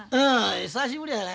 久しぶりやさ